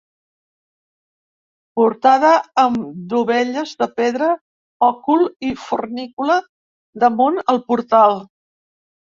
Portada amb dovelles de pedra, òcul i fornícula damunt el portal.